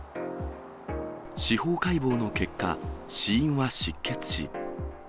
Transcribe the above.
司法解剖の結果、死因は失血死。